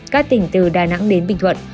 các tỉnh từ đà nẵng đến bình thuận